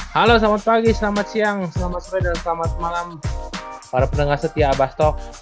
halo selamat pagi selamat siang selamat sore dan selamat malam para pendengar setia abastok